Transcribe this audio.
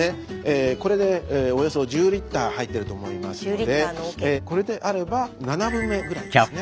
これでおよそ１０リットル入ってると思いますのでこれであれば７分目ぐらいですね。